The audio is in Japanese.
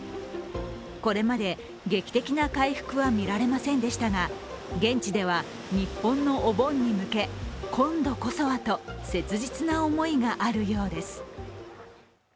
これまで劇的な回復は見られませんでしたが現地では、日本のお盆に向け今度こそはと切実な思いがあるようです。